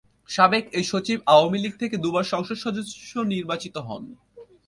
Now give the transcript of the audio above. সাবেক এই সচিব আওয়ামী লীগ থেকে দুবার সংসদ সদস্য নির্বাচিত হন।